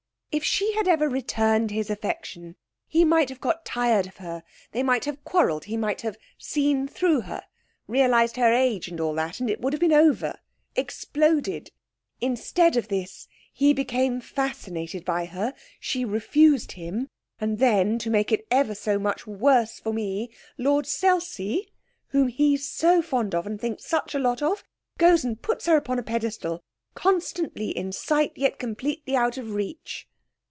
If she had ever returned his affection he might have got tired of her, they might have quarrelled, he might have seen through her realised her age and all that, and it would have been over exploded! Instead of this, he became fascinated by her, she refused him; and then, to make it ever so much worse for me, Lord Selsey, whom he's so fond of and thinks such a lot of, goes and puts her upon a pedestal, constantly in sight, yet completely out of reach.'